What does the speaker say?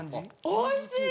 おいしい！